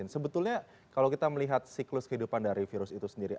sebetulnya kalau kita melihat siklus kehidupan dari virus itu sendiri